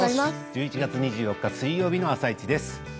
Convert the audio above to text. １１月２４日水曜日の「あさイチ」です。